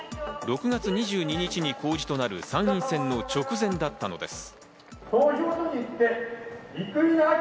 ６月２２日に公示となる、参院選の直前だったのです。